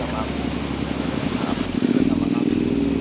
dan menangkapku bersama kamu